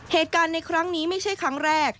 เหตุการณ์ในครั้งนี้ไม่ใช่ครั้งแรก